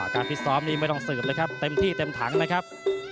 ฟิศซ้อมนี้ไม่ต้องสืบเลยครับเต็มที่เต็มถังนะครับ